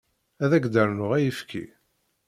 Ad ak-d-rnuɣ ayefki?